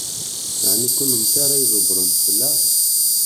Ɛni d kennemti ara ydebbṛen fell-aɣ?